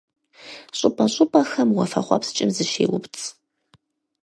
ЩӀыпӀэ-щӀыпӀэхэм уафэхъуэпскӀым зыщеупцӀ.